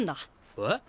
えっ⁉